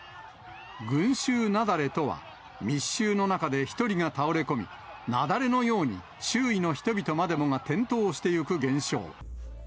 群衆雪崩とは、密集の中で１人が倒れ込み、雪崩のように周囲の人々までもが転倒していく現象。